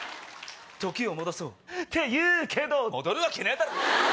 時を戻そう。って言うけど戻るわけねえだろ！